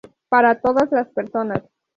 Para todas las personas".